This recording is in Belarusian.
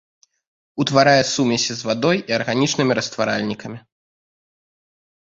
Утварае сумесі з вадой і арганічнымі растваральнікамі.